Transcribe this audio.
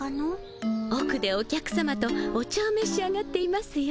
おくでお客さまとお茶をめし上がっていますよ。